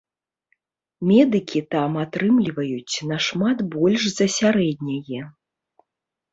Медыкі там атрымліваюць нашмат больш за сярэдняе.